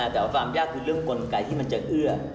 แต่ว่าความยากคือเรื่องกลไกที่มันจะเอื้อ